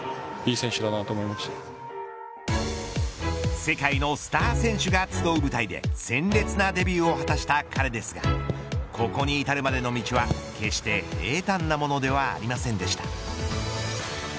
世界のスター選手が集う舞台で鮮烈なデビューを果たした彼ですがここに至るまでの道は決して平たんなものではありませんでした。